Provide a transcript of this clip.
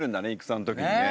戦の時にね。